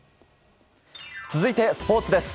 続いて、スポーツです。